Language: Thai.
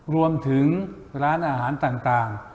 รวมถึงร้านอาหารต่าง